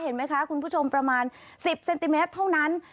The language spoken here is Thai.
เห็นไหมคะคุณผู้ชมประมาณ๑๐เซนติเมตรเท่านั้น